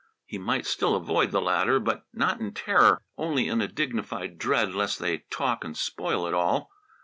He might still avoid the latter, but not in terror; only in a dignified dread lest they talk and spoil it all.